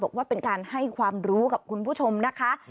บอกว่าเป็นการให้ความรู้กับคุณผู้ชมนะคะ